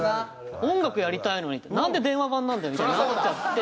音楽やりたいのになんで電話番なんだよみたいになっちゃって。